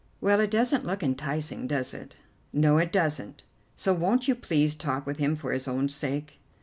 "Well, it doesn't look enticing, does it?" "No, it doesn't, so won't you please talk with him for his own sake?"